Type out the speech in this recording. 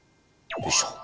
よいしょ。